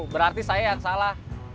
berarti saya yang salah